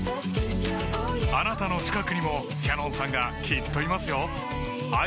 あなたの近くにもＣａｎｏｎさんがきっといますよ